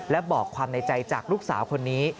และบอกความในใจจากลูกสาวคนนี้